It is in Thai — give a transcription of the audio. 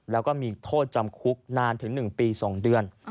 แล้วก็มีโทษจำคุกนานถึง๑ปี๒เดือน